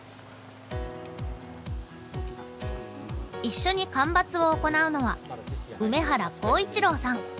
一緒に間伐を行うのは梅原浩一郎さん。